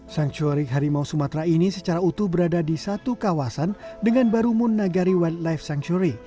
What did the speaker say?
sanktuari harimau sumatera ini secara utuh berada di satu kawasan dengan baru mun nagari wildlife sanctuary